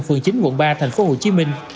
phường chín quận ba thành phố hồ chí minh